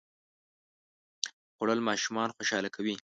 خوړل ماشومان خوشاله کوي